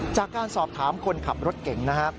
จากการสอบถามคนขับรถเก่งนะครับ